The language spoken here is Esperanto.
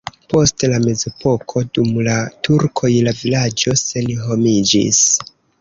Post la mezepoko dum la turkoj la vilaĝo senhomiĝis.